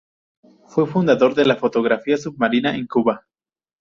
Fue fundador de la fotografía submarina en Cuba.